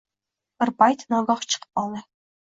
Bir payt nogoh chiqib koldi